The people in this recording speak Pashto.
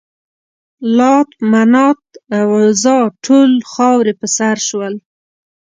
لات، منات او عزا ټول خاورې په سر شول.